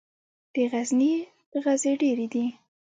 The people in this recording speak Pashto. د غزني غزې ډیرې دي